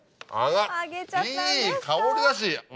いい香りだし！